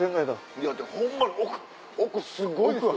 いやでもホンマに奥すごいですよ。